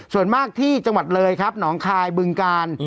ส่วนมากที่จเลยหนองคายบึงกาน